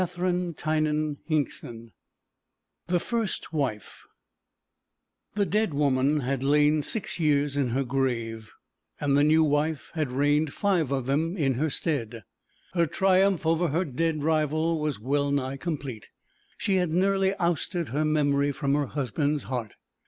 THE FIELDS OF MY CHILDHOOD 209 I THE FIRST WIFE The dead woman had lain six years in her grave, and the new wife had reigned five of them in her stead. Her triumph over her dead rival was well nigh complete. She had nearly ousted her memory from her husband's heart.